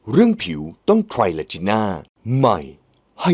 ดูแล้วคงไม่รอดเพราะเราคู่กัน